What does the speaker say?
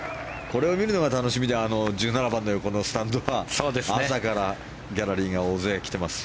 これを見るのが楽しみで１７番の横のスタンドは朝からギャラリーが大勢来ています。